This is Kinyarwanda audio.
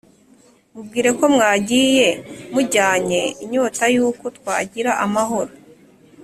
mubwire ko mwagiye mujyanye inyota y'uko twagira amahoro,